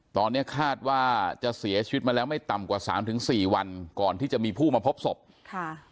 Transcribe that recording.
ตอนนี้คาดว่าจะเสียชีวิตมาแล้วไม่ต่ำกว่าสามถึงสี่วันก่อนที่จะมีผู้มาพบศพค่ะ